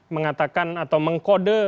mengatakan atau mengkode